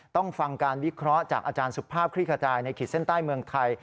ต้องฟังการวิเคราะห์จากอาจารย์สุภาพคลี่ขจายในขีดเส้นใต้เมืองไทย